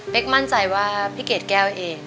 มั่นใจว่าพี่เกดแก้วเอง